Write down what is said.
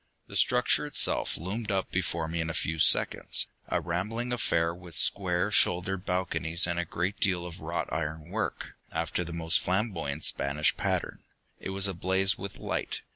The structure itself loomed up before me in a few seconds, a rambling affair with square shouldered balconies and a great deal of wrought iron work, after the most flamboyant Spanish pattern. It was ablaze with light.